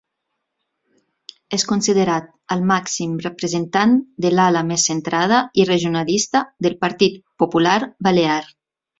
És considerat el màxim representant de l'ala més centrada i regionalista del Partit Popular balear.